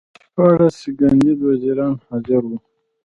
شپاړس کاندید وزیران حاضر وو.